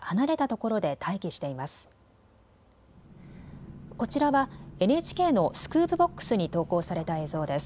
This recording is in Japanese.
こちらはＮＨＫのスクープボックスに投稿された映像です。